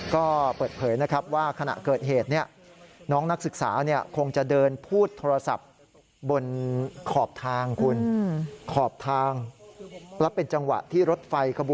ก็เปิดเผยว่าขณะเกิดเหตุน้องนักศึกษา